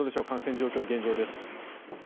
感染状況、現状です。